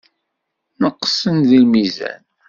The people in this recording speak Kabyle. Neqsen deg lmizan.